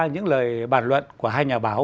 những lời bàn luận của hai nhà báo